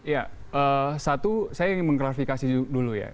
ya satu saya ingin mengklarifikasi dulu ya